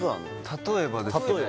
例えばですね